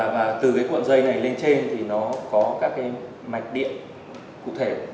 và từ cái cuộn dây này lên trên thì nó có các cái mạch điện cụ thể